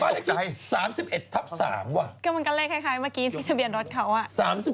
ก็มันก็เลขคล้ายเมื่อกี้ทะเบียนรถเขา